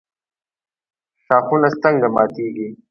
ښاخونه څنګه ماتیږي؟